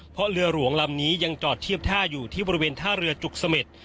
เพราะเรือหลวงลำนี้ยังจอดเทียบท่าอยู่ที่บริเวณท่าเรือจุกเสม็ด